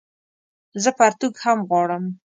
زه پرتوګ هم غواړم